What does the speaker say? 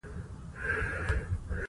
لمریز ځواک د افغانستان د جغرافیې بېلګه ده.